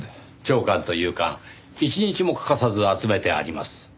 朝刊と夕刊一日も欠かさず集めてあります。